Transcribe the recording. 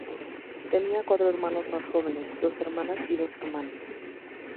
Tenía cuatro hermanos más jóvenes: dos hermanas y dos hermanos.